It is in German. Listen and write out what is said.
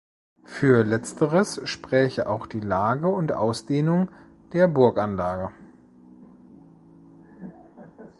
Für Letzteres spräche auch die Lage und Ausdehnung der Burganlage.